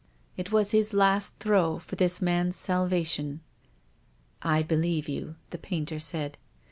It was his last throw for this man's salvation. " I believe you," the painter said.